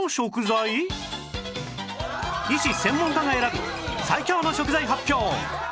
医師・専門家が選ぶ最強の食材発表！